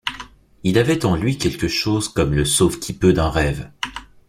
Il avait en lui quelque chose comme le sauve-qui-peut d’un rêve.